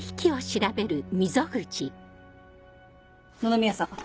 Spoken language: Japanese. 野々宮さん